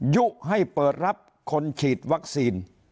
ยุให้เปิดรับคนฉีดวัคซีน